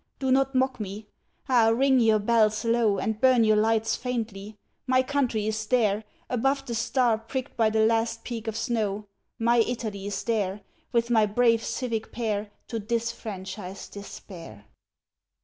Do not mock me. Ah, ring your bells low, And burn your lights faintly! My country is there, Above the star pricked by the last peak of snow, My Italy's there, with my brave civic pair, To disfranchise despair.